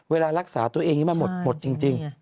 เวลารักษาตัวเองนี้มาหมดจริง